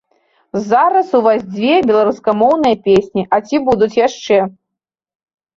Зараз у вас дзве беларускамоўныя песні, а ці будуць яшчэ?